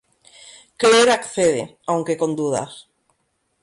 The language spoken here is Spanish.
Claire accede, aunque con dudas.